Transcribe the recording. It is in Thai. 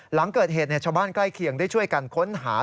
หลังเกิดเหตุชาวบ้านใกล้เคียงได้ช่วยกันค้นหา